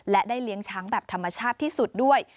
และได้เลี้ยงช้างแบบธรรมชาติที่สุดด้วย